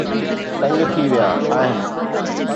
تنگ ٿي ويا آهن